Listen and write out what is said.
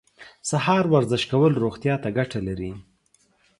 سهار ورزش کول روغتیا ته ګټه لري.